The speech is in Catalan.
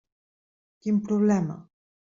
Quin problema?